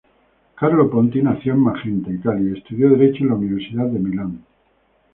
Carlo Ponti nació en Magenta, Italia y estudió derecho en la Universidad de Milán.